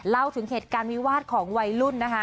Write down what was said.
เล่าถึงเหตุการณ์วิวาสของวัยรุ่นนะคะ